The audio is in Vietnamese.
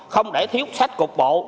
không để thiếu sách cục bộ